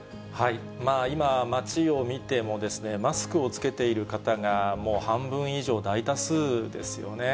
今、街を見ても、マスクを着けている方がもう半分以上、大多数ですよね。